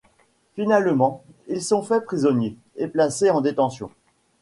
Finalement, ils sont faits prisonniers et placés en détention.